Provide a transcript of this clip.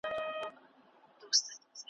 تر لمسیو کړوسیو مو بسیږي `